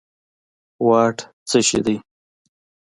واټ څه شی دي